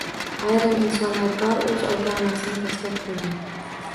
Ayrim insonlar bor, oʻz ota onasini tashlab qoʻygan.